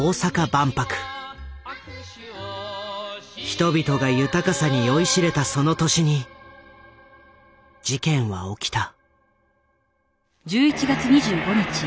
人々が豊かさに酔いしれたその年に事件は起きた。